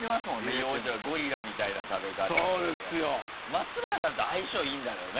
松原さんと相性いいんだろうね。